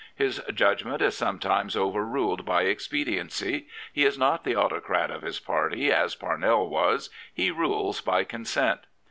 His judgment is sometimes overruled by expediency. He is not the autocrat of his party, as ParnelTwas: he rules by consent.